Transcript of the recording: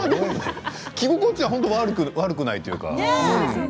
着心地は本当に悪くないというか。